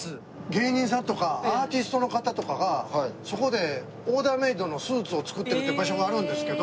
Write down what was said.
芸人さんとかアーティストの方とかがそこでオーダーメイドのスーツを作ってるって場所があるんですけど。